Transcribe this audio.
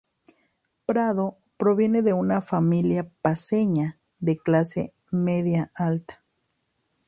Prado proviene de una familia paceña de Clase Media-Alta.